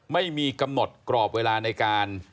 ไม่มีกำหนดกรอบเวลาในการ